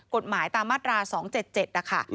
กฎหมายตามมาตรา๒๗๗นะคะ